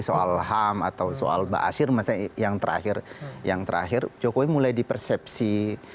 soal ham atau soal ba'asyir maksudnya yang terakhir jokowi mulai dipersepsi